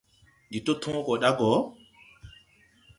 Ndi to tõõ go ɗa go.